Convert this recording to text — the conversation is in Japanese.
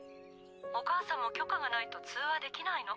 お母さんも許可がないと通話できないの。